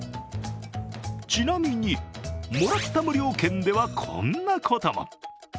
ちなみに、もらった無料券ではこんなことも。